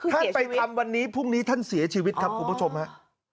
ท่านไปทำวันนี้พรุ่งนี้ท่านเสียชีวิตครับคุณผู้ชมฮะ